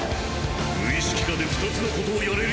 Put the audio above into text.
無意識下で２つの事をやれる！